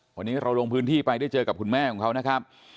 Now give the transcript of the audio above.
วันนี้เราลงพื้นที่ไปได้เจอกับคุณแม่ของเขานะครับ